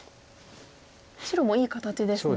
白もいい形ですね。